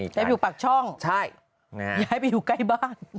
ไปอยู่ปากช่องใช่ย้ายไปอยู่ใกล้บ้าน